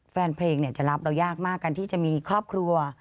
แฟนเพลงจะรับเรายากมากกันที่จะมีครอบครัว